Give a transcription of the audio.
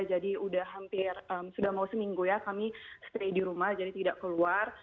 jadi sudah hampir sudah mau seminggu ya kami stay di rumah jadi tidak keluar